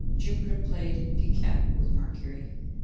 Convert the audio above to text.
Jupiter played piquette with Mercury.